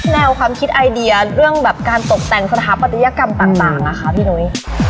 แนวความคิดไอเดียเรื่องแบบการตกแต่งสถาปัตยกรรมต่างนะคะพี่หนุ้ย